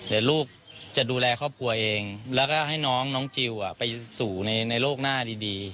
เดี๋ยวลูกจะดูแลครอบครัวเองแล้วก็ให้น้องจิลไปสู่ในโลกหน้าดี